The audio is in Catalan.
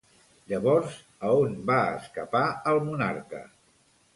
Llavors, a on va escapar el monarca?